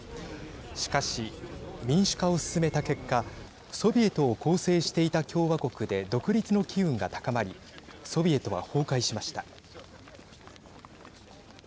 しかし、民主化を進めた結果ソビエトを構成していた共和国で独立の機運が高まりソビエトは崩壊しました。